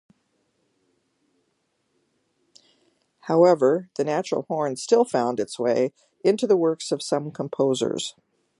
However, the natural horn still found its way into the works of some composers.